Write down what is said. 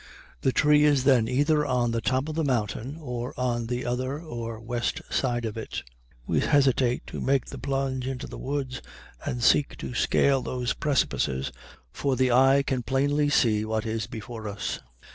The tree is then either on the top of the mountain or on the other or west side of it. We hesitate to make the plunge into the woods and seek to scale those precipices, for the eye can plainly see what is before us.